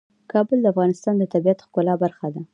کابل د افغانستان د طبیعت د ښکلا برخه ده.